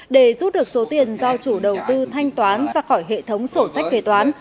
để rút được số tiền do chủ đầu tư thanh toán ra khỏi hệ thống sổ sách kế toán